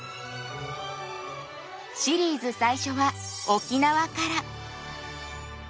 シリーズ最初は沖縄から。